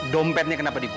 dompetnya kenapa di gua